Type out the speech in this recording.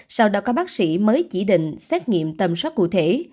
sau đó các bác sĩ mới chỉ định xét nghiệm tầm soát cụ thể